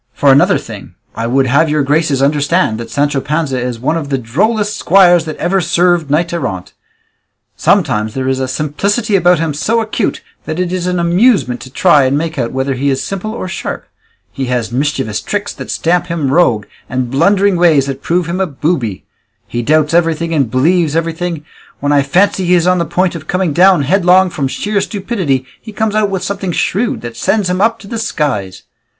For another thing; I would have your graces understand that Sancho Panza is one of the drollest squires that ever served knight errant; sometimes there is a simplicity about him so acute that it is an amusement to try and make out whether he is simple or sharp; he has mischievous tricks that stamp him rogue, and blundering ways that prove him a booby; he doubts everything and believes everything; when I fancy he is on the point of coming down headlong from sheer stupidity, he comes out with something shrewd that sends him up to the skies.